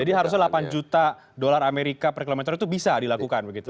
jadi harusnya delapan juta dolar amerika per kilometer itu bisa dilakukan